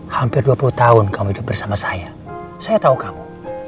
hampir dua puluh tahun kamu hidup bersama saya saya tahu kamu